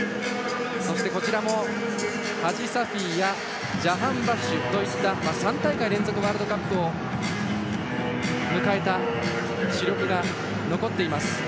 そしてハジサフィやジャハンバフシュといった３大会連続ワールドカップを迎えた主力が残っています。